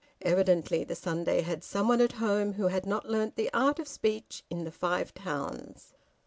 Evidently the Sunday had some one at home who had not learnt the art of speech in the Five Towns.